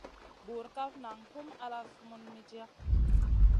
Burkaf nang hum ala sumun midia.